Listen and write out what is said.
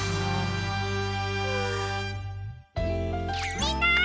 みんな！